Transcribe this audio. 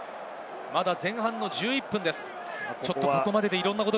まだ前半の１１分です。